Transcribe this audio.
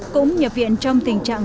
cũng nhập viện trong tình trạng